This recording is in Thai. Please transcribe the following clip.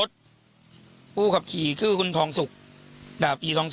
จริงแล้วพี่